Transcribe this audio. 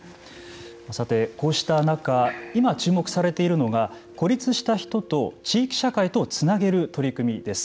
さてこうした中今注目されているのが孤立した人と地域社会とのつなげる取り組みです。